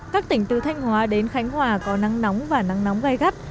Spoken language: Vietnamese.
các tỉnh từ thanh hóa đến khánh hòa có nắng nóng và nắng nóng gai gắt